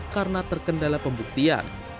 karena terkendala pembuktian